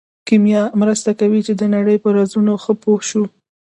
کیمیا مرسته کوي چې د نړۍ په رازونو ښه پوه شو.